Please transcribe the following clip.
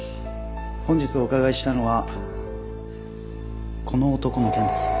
本日お伺いしたのはこの男の件です。